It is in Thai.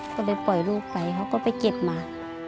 ก็เลยปล่อยลูกไปเขาก็ไปเก็บมา